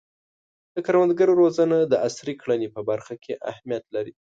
د کروندګرو روزنه د عصري کرنې په برخه کې اهمیت لري.